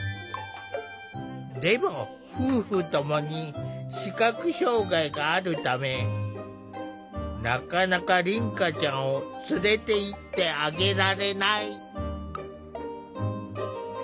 でも夫婦共に視覚障害があるためなかなか凛花ちゃんを連れていってあげられない。